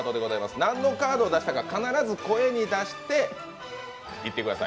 何のカードを出したか、必ず声に出してください。